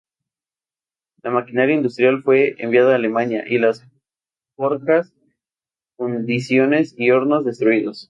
La maquinaria industrial fue enviada a Alemania, y las forjas, fundiciones y hornos destruidos.